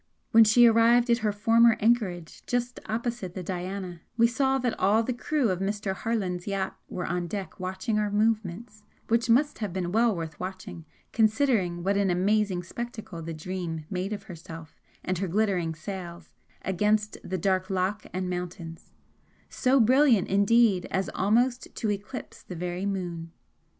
When she arrived at her former anchorage just opposite the 'Diana,' we saw that all the crew of Mr. Harland's yacht were on deck watching our movements, which must have been well worth watching considering what an amazing spectacle the 'Dream' made of herself and her glittering sails against the dark loch and mountains, so brilliant indeed as almost to eclipse the very moon.